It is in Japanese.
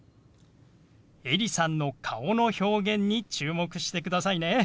エリさんの顔の表現に注目してくださいね。